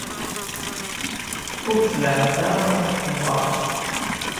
Ur tt-leɛɛeb ara ur tefhimeḍ ara.